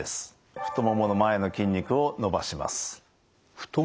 太ももの前の筋肉を伸ばします。